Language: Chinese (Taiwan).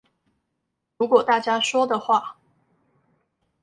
如果大家說的話